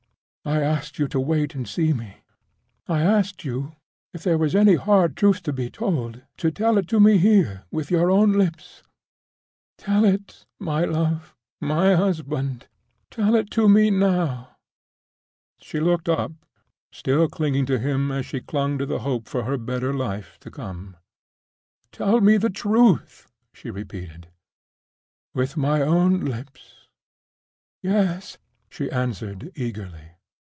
I asked you to wait and see me; I asked you, if there was any hard truth to be told, to tell it me here with your own lips. Tell it, my love, my husband!—tell it me now!" She looked up, still clinging to him as she clung to the hope of her better life to come. "Tell me the truth!" she repeated. "With my own lips?" "Yes!" she answered, eagerly.